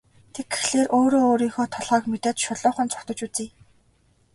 Тэгэхээр өөрөө өөрийнхөө толгойг мэдээд шулуухан зугтаж үзье.